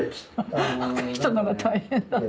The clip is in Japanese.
若い人の方が大変だった。